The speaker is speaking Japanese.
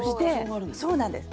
そうなんです。